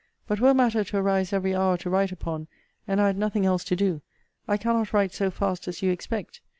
But were matter to arise every hour to write upon, and I had nothing else to do, I cannot write so fast as you expect.